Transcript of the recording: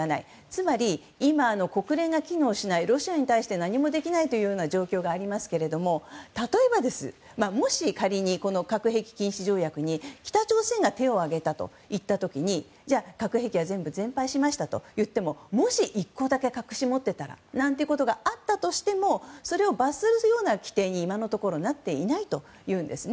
つまり今、国連が機能しないロシアに対して何もできない状況がありますが例えば、もし仮に核兵器禁止条約に北朝鮮が手を挙げたといった時核兵器は全部全廃しましたと言っていてももし１個だけ隠し持っていたらということがあったとしてもそれを罰するような規定に今のところなっていないというんです。